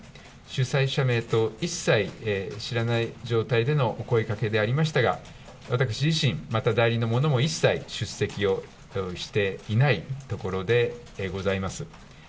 主催者名と一切知らない状態でのお声がけでありましたが、私自身、また代理の者も一切、出席をしていないところでございます。